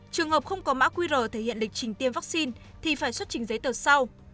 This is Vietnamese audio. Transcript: trường hợp không có mã qr thể hiện lịch trình tiêm vaccine thì phải xuất trình giấy tờ sau